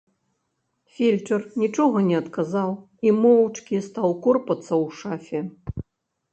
Фельчар нічога не адказаў і моўчкі стаў корпацца ў шафе.